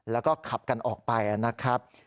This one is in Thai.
แล้วก็ขับกันออกไปนะครับ